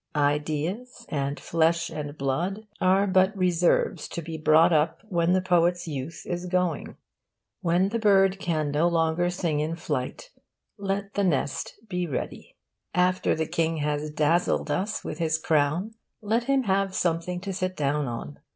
Ideas, and flesh and blood, are but reserves to be brought up when the poet's youth is going. When the bird can no longer sing in flight, let the nest be ready. After the king has dazzled us with his crown, let him have something to sit down on.